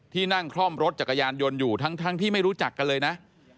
นั่งคล่อมรถจักรยานยนต์อยู่ทั้งที่ไม่รู้จักกันเลยนะ